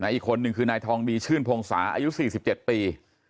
อีกคนนึงคือนายทองดีชื่นพงศาอายุ๔๗ปี